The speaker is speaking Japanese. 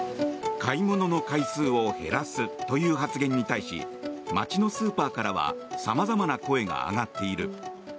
買い物の回数を減らすという発言に対し街のスーパーからは様々な声が上がっている。